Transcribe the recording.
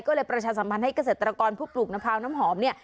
ก็เลยประชาสัมพันธ์ให้เกษตรกรผู้ปลูกมะพร้าวน้ำหอมเนี่ย